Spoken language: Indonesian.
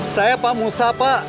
saya pak musa pak